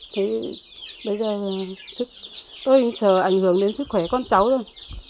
thế bây giờ tôi sợ ảnh hưởng đến sức khỏe con cháu thôi